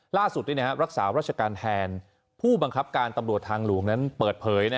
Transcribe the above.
ล่าสุดรักษารัชการแทนผู้บังคับการตำรวจทางหลวงนั้นเปิดเผย